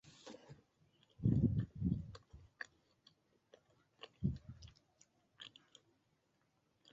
官河村是中国广东省阳江市阳西县织贡镇的一个村。